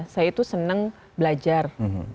saya tuh senang belajar